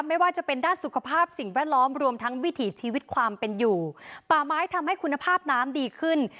ไม่ว่าจะเป็นด้านสุขภาพสิ่งแวดล้อมรวมทั้งวิถีชีวิตความเป็นอยู่ป่าไม้ทำให้คุณภาพน้ำดีขึ้น